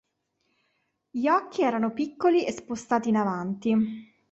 Gli occhi erano piccoli e spostati in avanti.